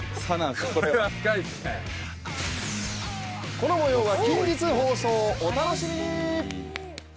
この模様は近日放送、お楽しみに！